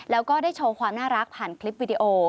แล้วก็ได้โชว์ความน่ารักผ่านคลิปวิดีโอ